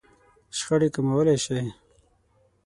-شخړې کموالی شئ